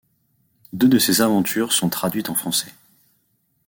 Deux de ses aventures sont traduites en français.